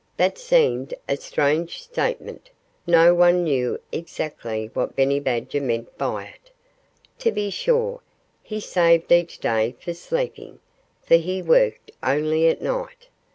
That seemed a strange statement. No one knew exactly what Benny Badger meant by it. To be sure, he saved each day for sleeping for he worked only at night.